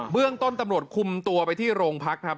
เรื่องต้นตำรวจคุมตัวไปที่โรงพักครับ